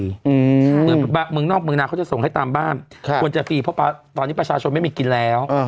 เมืองนอกเมืองนาเขาจะส่งให้ตามบ้านควรจะฟรีเพราะตอนนี้ประชาชนไม่มีกินแล้ว